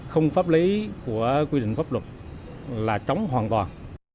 không pháp lý của quy định pháp luật là trống hoàn toàn